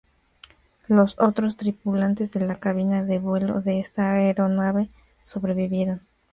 Los otros tripulantes de la cabina de vuelo de esta aeronave sobrevivieron.